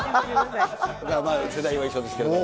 世代は一緒ですけれども。